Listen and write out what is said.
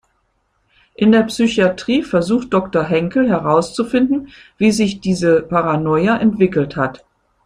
In der Psychatrie versucht Doktor Henkel herauszufinden, wie sich diese Paranoia entwickelt hat.